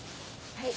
はい。